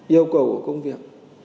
yêu cầu của công việc